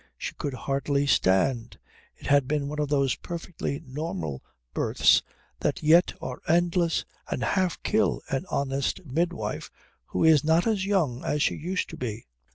She could hardly stand. It had been one of those perfectly normal births that yet are endless and half kill an honest midwife who is not as young as she used to be.